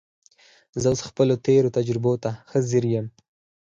زه اوس خپلو تېرو تجربو ته ښه ځیر یم